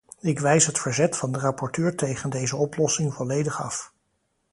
Ik wijs het verzet van de rapporteur tegen deze oplossing volledig af.